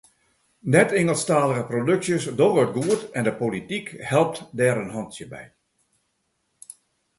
Net-Ingelsktalige produksjes dogge it goed en de polityk helpt dêr in hantsje by.